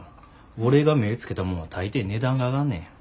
俺が目ぇつけたもんは大抵値段が上がんねん。